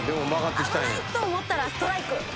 危ないと思ったらストライク。